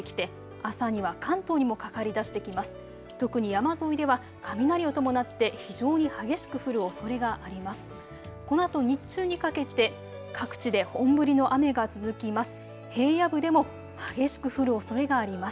特に山沿いでは雷を伴って非常に激しく降るおそれがあります。